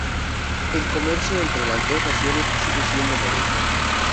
El comercio entre las dos naciones sigue siendo modesto.